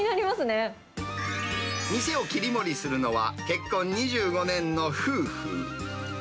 店を切り盛りするのは、結婚２５年の夫婦。